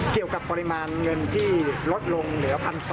เกี่ยวกับปริมาณเงินที่ลดลงเหลือ๑๒๐๐